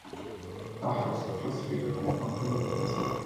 Ajax clasifica como campeón defensor.